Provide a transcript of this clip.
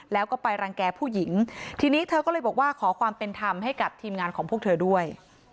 แล้วก็ไปรังแก่ผู้หญิงทีนี้เธอก็เลยบอกว่าขอความเป็นธรรมให้กับทีมงานของพวกเธอด้วย